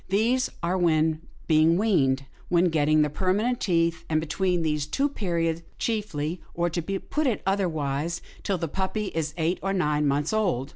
These are when being weaned, when getting the permanent teeth, and between these two periods chiefly, or to put it otherwise, till the puppy is eight or nine months old.'